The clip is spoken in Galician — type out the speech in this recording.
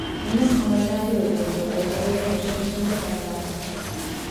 Imos cun adianto do tempo, para saber como se presenta o panorama.